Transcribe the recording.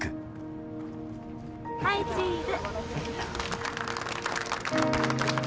はいチーズ。